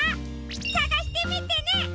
さがしてみてね！